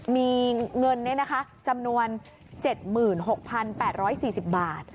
มีเงินจำนวน๗๖๘๔๐บาท